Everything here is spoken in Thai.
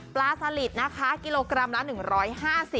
ปลาสลิดนะคะกิโลกรัมละ๑๕๐บาท